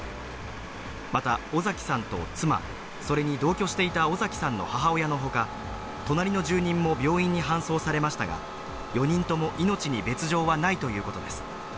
また、尾碕さんと妻、それに同居していた尾碕さんの母親のほか、隣の住人も病院に搬送されましたが、４人とも命に別状はないということです。